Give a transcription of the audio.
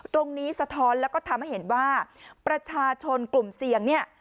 สะท้อนแล้วก็ทำให้เห็นว่าประชาชนกลุ่มเสี่ยงเนี่ย